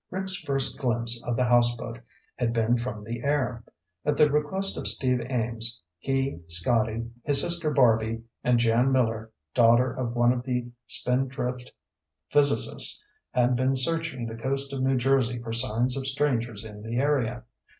Rick's first glimpse of the houseboat had been from the air. At the request of Steve Ames, he, Scotty, his sister Barby, and Jan Miller, daughter of one of the Spindrift physicists, had been searching the coast of New Jersey for signs of strangers in the area.